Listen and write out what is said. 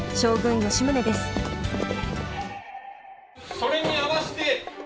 それに合わせて。